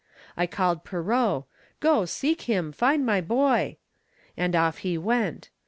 I called Pierrot: "Go, seek him, find my boy," And off he went.